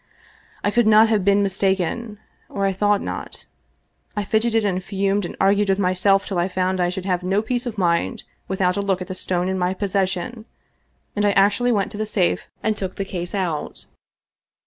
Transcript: I could not have been mistaken — or I thought not. I fidgeted and fumed and argued with myself till I found I should have no peace of mind without a look at the stone in my possession, and I actually went to the safe and took the case out.